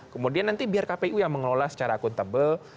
kemudian nanti biar kpu yang mengelola secara akuntabel